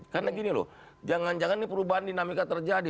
karena gini loh jangan jangan ini perubahan dinamika terjadi